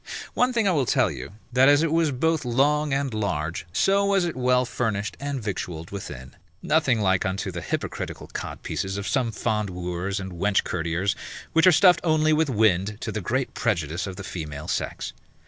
One thing I will tell you, that as it was both long and large, so was it well furnished and victualled within, nothing like unto the hypocritical codpieces of some fond wooers and wench courtiers, which are stuffed only with wind, to the great prejudice of the female sex.